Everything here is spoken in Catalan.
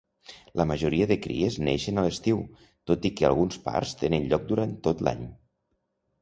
La majoria de cries neixen a l'estiu, tot i que alguns parts tenen lloc durant tot l'any.